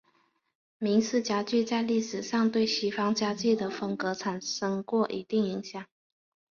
明式家具在历史上对西方家具的风格产生过一定影响。